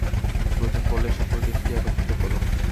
প্রয়োজন পড়লে সকল টিমকে একত্রিত করো।